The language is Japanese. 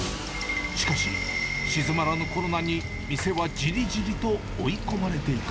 しかし、鎮まらぬコロナに店はじりじりと追い込まれていく。